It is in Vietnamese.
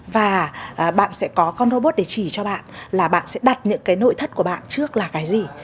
và bạn sẽ có con robot để chỉ cho bạn là bạn sẽ đặt những cái nội thất của bạn trước là cái gì